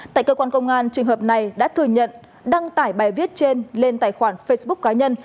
tại cơ quan công an trường hợp này đã thừa nhận đăng tải bài viết trên lên tài khoản facebook cá nhân